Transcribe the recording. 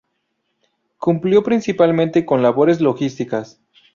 Cumplió principalmente con labores logísticas.